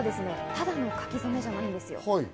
ただの書き初めじゃないんですよ。